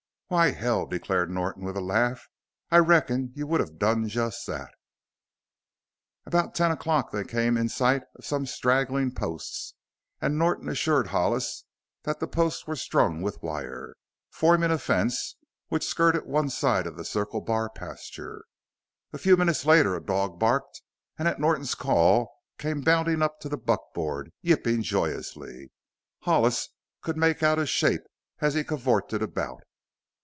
"Why, hell!" declared Norton with a laugh; "I reckon you would have done just that!" About ten o'clock they came in sight of some straggling posts, and Norton assured Hollis that the posts were strung with wire, forming a fence which skirted one side of the Circle Bar pasture. A few minutes later a dog barked and at Norton's call came bounding up to the buckboard, yipping joyously. Hollis could make out his shape as he cavorted about.